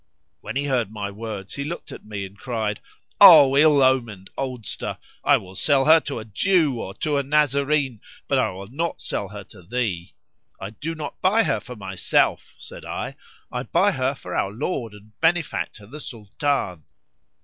When he heard my words he looked at me and cried, 'O ill omened oldster, I will sell her to a Jew or to a Nazarene, but I will not sell her to thee!' 'I do not buy her for myself,' said I, 'I buy her for our lord and benefactor the Sultan.'